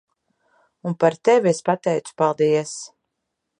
Un par tevi es pateicu paldies.